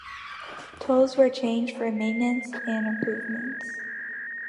Tolls were charged for maintenance and improvements.